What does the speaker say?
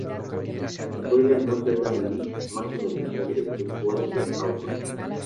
Juega en la Northern League, máxima división del fútbol de Auckland.